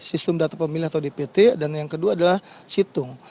sistem data pemilih atau dpt dan yang kedua adalah situng